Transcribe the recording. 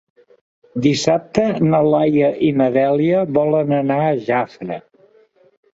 Dissabte na Laia i na Dèlia volen anar a Jafre.